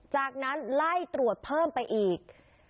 จากนั้นไล่ตรวจเพิ่มไปอีก